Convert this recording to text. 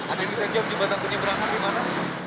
ada yang bisa jawab jembatan penyeberangan di mana